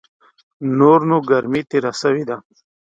نور نو ګرمي تېره سوې ده .